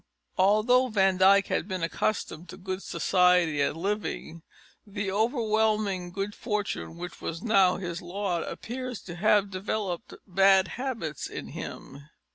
Although Van Dyck had been accustomed to good society and living, the overwhelming good fortune which was now his lot appears to have developed bad habits in him.